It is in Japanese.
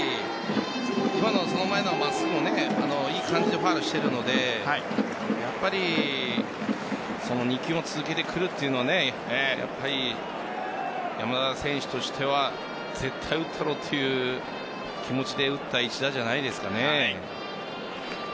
その前の真っすぐもいい感じのファウルをしているので２球も続けてくるというのはやっぱり山田選手としては絶対打ってやろうという気持ちで打った一打じゃないですかね。